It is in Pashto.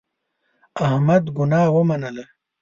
احمد ګناه ومنله.